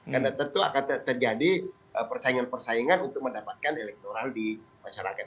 karena tentu akan terjadi persaingan persaingan untuk mendapatkan elektoral di masyarakat